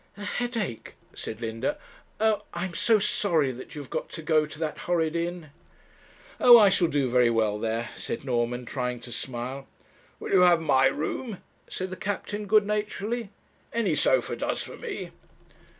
'A headache!' said Linda. 'Oh, I am so sorry that you have got to go to that horrid inn.' 'Oh! I shall do very well there,' said Norman, trying to smile. 'Will you have my room?' said the captain good naturedly; 'any sofa does for me.'